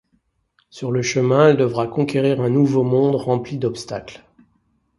Sur le chemin elle devra conquérir un nouveau monde rempli d'obstacles.